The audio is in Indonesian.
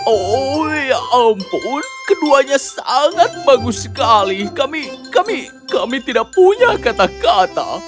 oh ya ampun keduanya sangat bagus sekali kami kami tidak punya kata kata